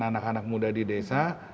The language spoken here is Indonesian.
anak anak muda di desa